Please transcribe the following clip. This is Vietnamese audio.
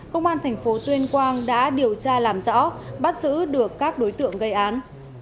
công an thành phố tuyên quang đã điều tra làm rõ bắt giữ được các đối tượng gây án